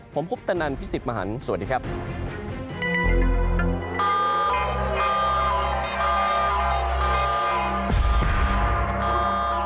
ผมพุทธนันทร์พิสิทธิ์มหานครับสวัสดีครับ